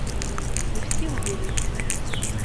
Yefsi wegris.